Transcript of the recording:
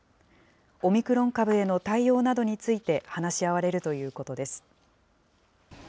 オミクロン株への対応について話し合われるということです。